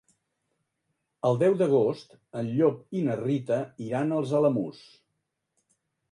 El deu d'agost en Llop i na Rita iran als Alamús.